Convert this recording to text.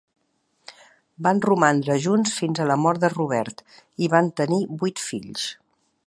Van romandre junts fins a la mort de Robert i van tenir vuit fills.